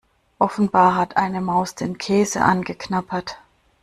Offenbar hat eine Maus den Käse angeknabbert.